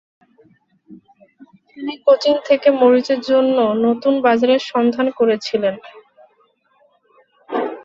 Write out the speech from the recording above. তিনি কোচিন থেকে মরিচের জন্য নতুন বাজারের সন্ধান করেছিলেন।